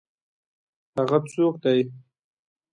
هغه څوک دی؟